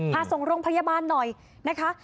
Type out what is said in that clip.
พาส่งโรงพยาบาลหน่อยนะคะ